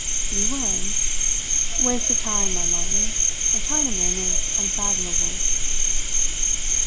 "You were? Waste of time, my Martin. A Chinaman is unfathomable."